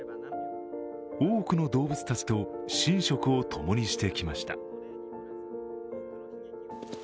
多くの動物たちと寝食を共にしてきました。